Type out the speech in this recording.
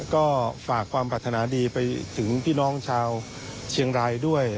ก็ฝากความปรารถนาดีไปถึงพี่น้องชาวเชียงรายด้วย